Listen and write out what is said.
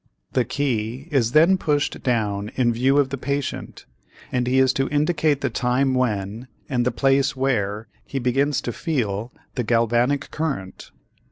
The key is then pushed down in view of the patient and he is to indicate the time when and the place where he begins to feel the galvanic current.